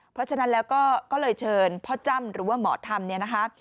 เพราะฉะนั้นแล้วก็ก็เลยเชิญพ่อจ้ำหรือว่าหมอธรรมเนี่ยนะคะ